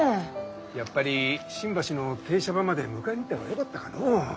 やっぱり新橋の停車場まで迎えに行った方がよかったかのう？